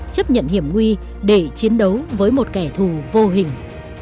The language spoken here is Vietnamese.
chấp nhận hiểm nguy để chiến đấu với một kẻ thù vô hình